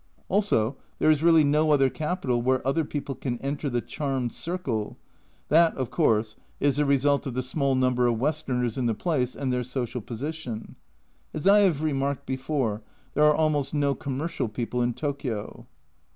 Also there is really no other capital where other people can enter the charmed circle ; that, of course, is the result of the small number of Westerners in the place, and their social position ; as I have remarked before, there are almost no commercial people in Tokio.